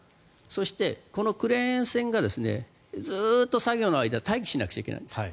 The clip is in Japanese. そして、このクレーン船がずっと作業の間、待機しなくちゃいけないんですよ。